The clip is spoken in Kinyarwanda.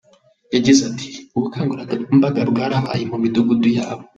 Yagize ati “Ubukangurambaga bwarabaye mu Midugudu yabo.